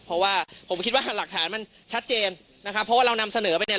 เพราะว่าผมคิดว่าหลักฐานมันชัดเจนนะครับเพราะว่าเรานำเสนอไปเนี่ย